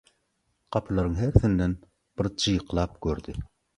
Gapylaryň hersinden bir jyklap gördi.